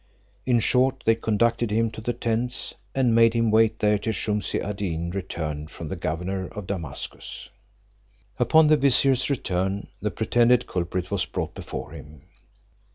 In short, they conducted him to the tents, and made him wait there till Shumse ad Deen returned from the governor of Damascus. Upon the vizier's return, the pretended culprit was brought before him.